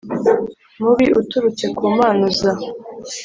mubi uturutse ku Mana uza